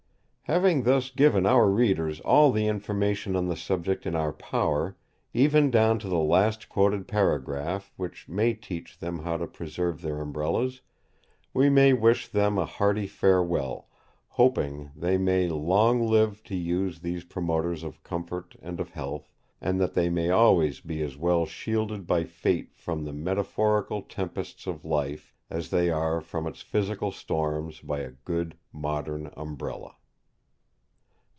Having thus given our readers all the information on the subject in our power; even down to the last quoted paragraph, which may teach them how to preserve their Umbrellas, we may wish them a hearty farewell, hoping they may long live to use these promoters of comfort and of health, and that they may always be as well shielded by fate from the metaphorical tempests of life, as they are from its physical storms by a good modern Umbrella.